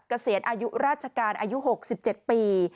เกษียณอายุราชการอายุ๖๗ปี